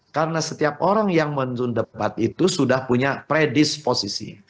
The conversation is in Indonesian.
karena setiap orang yang menonton debat itu sudah punya predisposisi